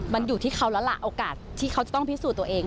มันอยู่ที่เขาแล้วล่ะโอกาสที่เขาจะต้องพิสูจน์ตัวเอง